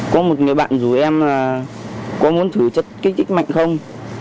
có một người bạn rủ em là có muốn thử chất kích thích mạnh không